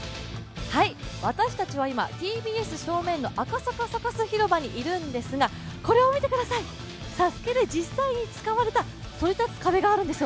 私たちは今、ＴＢＳ正面の赤坂サカス広場にいるんですが、これを見てください、ＳＡＳＵＫＥで実際に使われたそり立つ壁があるんですよ。